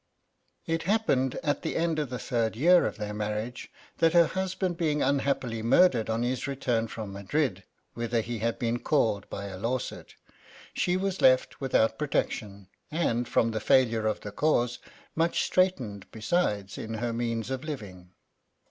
It happened at tlie end of the third year of their marriage, that her husband being unhappily murdered on his return from Madrid, whither he had been called by a lawsuit, she was left without protection, and from the failure of the cause much straitened, besides, in her means of living.